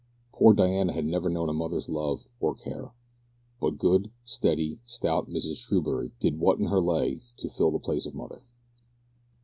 Poor Diana had never known a mother's love or care; but good, steady, stout Mrs Screwbury did what in her lay to fill the place of mother.